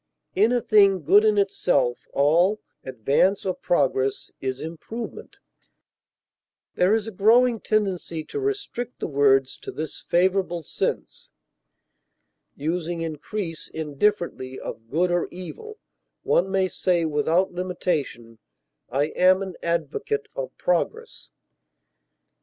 In a thing good in itself all advance or progress is improvement; there is a growing tendency to restrict the words to this favorable sense, using increase indifferently of good or evil; one may say without limitation, "I am an advocate of progress."